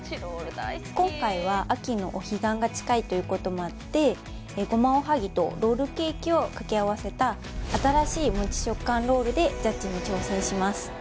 今回は秋のお彼岸が近いということもあってごまおはぎとロールケーキを掛け合わせたでジャッジに挑戦します